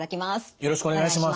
よろしくお願いします。